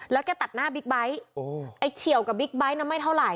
แล้วแกตัดหน้าบิ๊กไบท์ไอ้เฉียวกับบิ๊กไบท์นั้นไม่เท่าไห